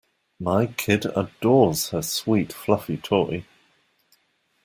My kid adores her sweet fluffy toy.